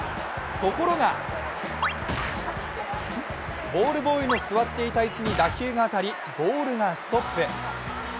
ところがボールボーイの座っていた椅子に打球が当たり、ボールがストップ。